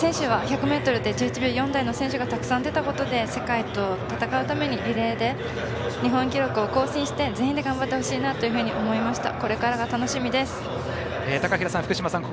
選手は、１００ｍで１１秒４台の選手がたくさん出たことで世界と戦うためにリレーで日本記録を更新して全員で頑張ってほしいなと思いました。